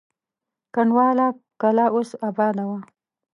کنډواله کلا اوس اباده وه.